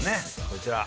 こちら。